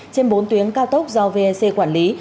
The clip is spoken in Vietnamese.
trên bốn tuyến cao tốc do vec quản lý